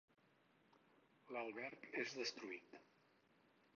L'alberg és destruït.